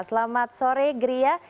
selamat sore gria